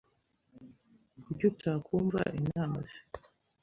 Kuki utakwumva inama ze?